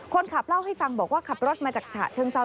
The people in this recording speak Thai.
คนขับเล่าให้ฟังบอกว่าขับรถมาจากฉะเชิงเซา